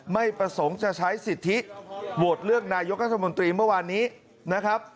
ไม่ประสงค์จะใช้สิทธิโหวตเลือกนายกรัฐมนตรีเมื่อวานนี้นะครับ